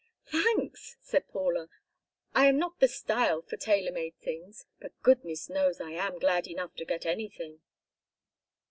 "Thanks!" said Paula. "I am not the style for tailor made things, but goodness knows I am glad enough to get anything."